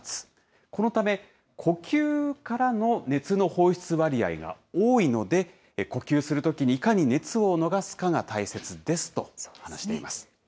このため、呼吸からの熱の放出割合が多いので、呼吸するときにいかに熱を逃すかが大切ですと話しています。